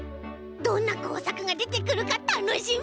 どんなこうさくがでてくるかたのしみ。